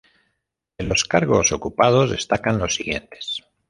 De los cargos ocupados, destacan los siguientes.